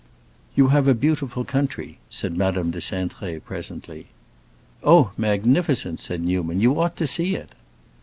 "You have a beautiful country," said Madame de Cintré, presently. "Oh, magnificent!" said Newman. "You ought to see it."